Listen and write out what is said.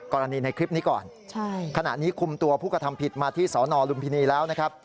กรณีในคลิปนี้ก่อนขณะนี้คุมตัวผู้กระทำผิดมาที่สนลุมพินีแล้วนะครับ